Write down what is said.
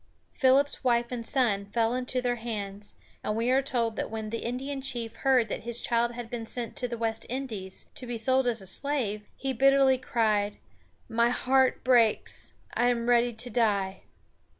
Philip's wife and son fell into their hands, and we are told that when the Indian chief heard that his child had been sent to the West Indies, to be sold as a slave, he bitterly cried: "My heart breaks! I am ready to die."